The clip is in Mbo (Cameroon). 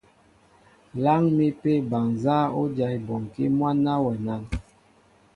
Láŋ mi apē bal nzá bɔ́ dyáá ebɔnkí mwǎ ná wɛ nán?